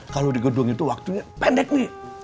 kalau di gedung itu waktunya pendek nih